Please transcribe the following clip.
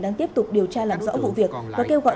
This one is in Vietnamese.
đang tiếp tục điều tra làm rõ vụ việc và kêu gọi